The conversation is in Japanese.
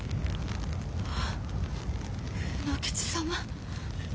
卯之吉様。